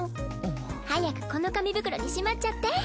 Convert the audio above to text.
早くこの紙袋にしまっちゃって。